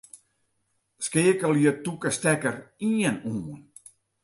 Skeakelje tûke stekker ien oan.